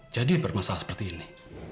jadi bermasalah seperti ini